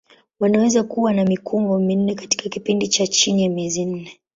Wanaweza kuwa na mikumbo minne katika kipindi cha chini ya miezi minne.